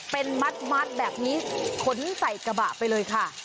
เป็นมัดแบบนี้ขนใส่กระบะไปเลยค่ะ